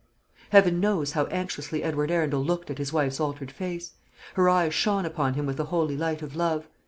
Heaven knows how anxiously Edward Arundel looked at his wife's altered face. Her eyes shone upon him with the holy light of love.